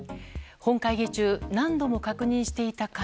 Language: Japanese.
本会議中、何度も確認していた紙。